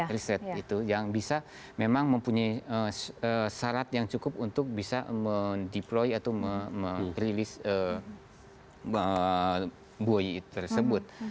riset itu yang bisa memang mempunyai syarat yang cukup untuk bisa mendeploy atau merilis buoy tersebut